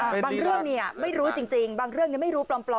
บางเรื่องนี่ไม่รู้จริงบางเรื่องนี่ไม่รู้ปลอม